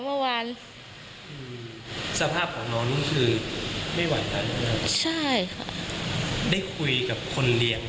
เมื่อวานสภาพของน้องนุ้งคือไม่หวัดกันใช่ค่ะได้คุยกับคนเหลี่ยงไหม